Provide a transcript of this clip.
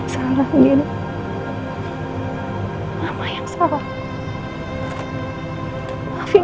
mama yang salah mungkin